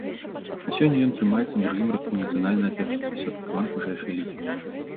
На сёння ён трымаецца на другім радку нацыянальнага першынства сярод каманд вышэйшай лігі.